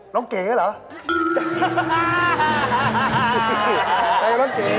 น้องเก๋ก็แม่